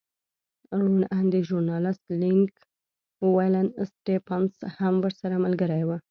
روڼ اندی ژورنالېست لینک ولن سټېفنس هم ورسره ملګری و.